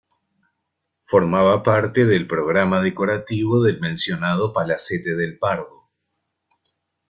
Formaba parte del programa decorativo del mencionado palacete del Pardo.